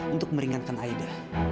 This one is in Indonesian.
untuk meringankan aida